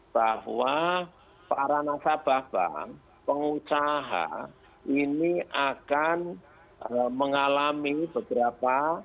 bahwa para nasabah bank pengusaha ini akan mengalami beberapa